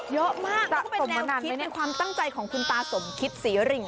เยอะมากนั่นก็เป็นแนวคิดความตั้งใจของคุณตาสมคิดสีริง